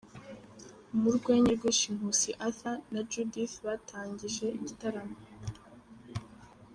Mu rwenya rwinshi Nkusi Arthur na Judith batangije igitaramo.